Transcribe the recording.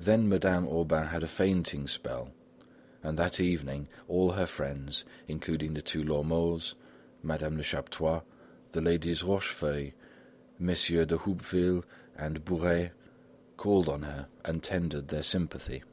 Then Madame Aubain had a fainting spell, and that evening all her friends, including the two Lormeaus, Madame Lechaptois, the ladies Rochefeuille, Messieurs de Houppeville and Bourais, called on her and tendered their sympathy.